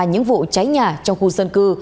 những vụ cháy nhà trong khu dân cư